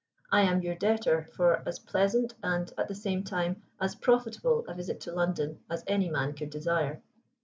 I am your debtor for as pleasant, and, at the same time, as profitable a visit to London as any man could desire.